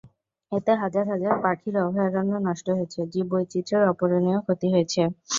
এতে হাজার হাজার পাখির অভয়ারণ্য নষ্ট হয়েছে, জীববৈচিত্র্যের অপূরণীয় ক্ষতি হয়েছে।